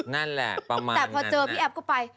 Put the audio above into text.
นั่นแหละประมาณแต่พอเจอพี่แอฟก็ไป